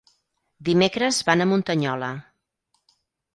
Dimecres van a Muntanyola.